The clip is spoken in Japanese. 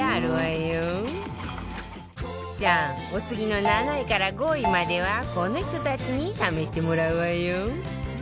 さあお次の７位から５位まではこの人たちに試してもらうわよ